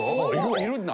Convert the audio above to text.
いるんだ。